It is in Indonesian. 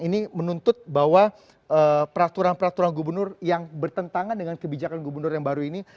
ini menuntut bahwa peraturan peraturan gubernur yang bertentangan dengan kebijakan gubernur yang baru ini